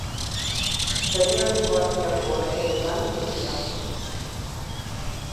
Erdialdeko Asiako estepetan bizi da.